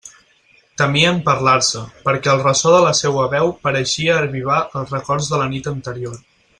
Temien parlar-se, perquè el ressò de la seua veu pareixia avivar els records de la nit anterior.